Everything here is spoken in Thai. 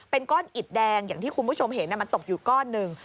เป็นก้อนอิดแดงอย่างที่คุณผู้ชมเห็นมันตกอยู่ก้อนหนึ่ง